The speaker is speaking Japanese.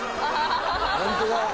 「ホントだ！